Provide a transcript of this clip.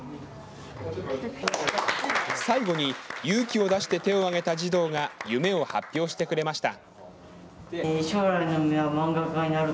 最後に勇気を出して手を挙げた児童が夢を発表してくれました。